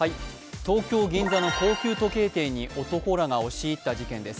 東京・銀座の高級時計店に男らが押し入った事件です。